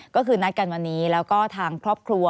ก็คือนัดกันวันนี้แล้วก็ทางครอบครัว